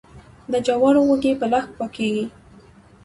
د جوارو وږي په لښک پاکیږي.